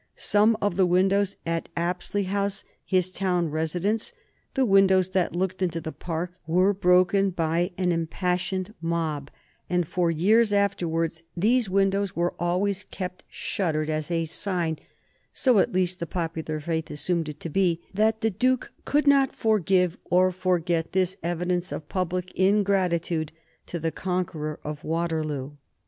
Some of the windows at Apsley House, his town residence the windows that looked into the Park were broken by an impassioned mob, and for years afterwards these windows were always kept shuttered, as a sign so at least the popular faith assumed it to be that the Duke could not forgive or forget this evidence of public ingratitude to the conqueror of Waterloo.